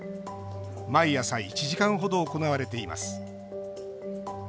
毎朝１時間程、行われています。